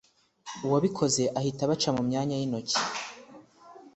uwabikoze ahita abaca mu myanya y’intoki